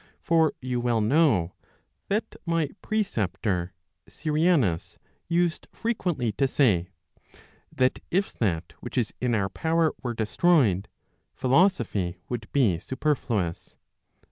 For you well know that my preceptor [Syrianus,] used frequently to say, that if that which is in our power were destroyed, philosophy would be superfluous.